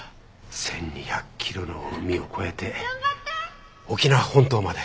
１２００キロの海を越えて沖縄本島まで。